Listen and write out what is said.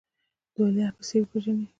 د ولیعهد په حیث وپېژني.